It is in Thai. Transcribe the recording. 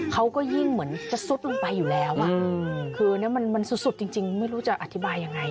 เขาก็ยิ่งเหมือนจะซุดลงไปอยู่แล้วคือมันสุดจริงไม่รู้จะอธิบายยังไง